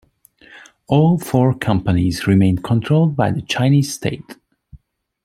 All four companies remained controlled by the Chinese state.